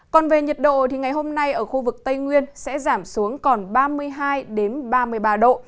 còn về nhiệt độ thì ngày hôm nay ở khu vực tây nguyên sẽ giảm xuống còn ba mươi hai ba mươi ba độ